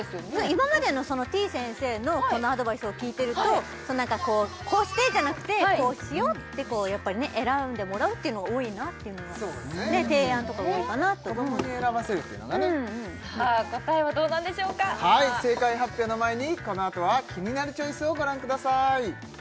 今までのてぃ先生のアドバイスを聞いてると「こうして」じゃなくて「こうしよう」ってやっぱりね選んでもらうっていうのが多いなっていうのが提案とかが多いかなと子どもに選ばせるっていうのがねさあ答えはどうなんでしょうか正解発表の前にこのあとは「キニナルチョイス」をご覧ください